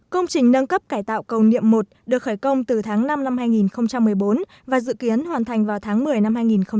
công trình nâng cấp cải tạo cầu niệm một được khởi công từ tháng năm năm hai nghìn một mươi bốn và dự kiến hoàn thành vào tháng một mươi năm hai nghìn một mươi chín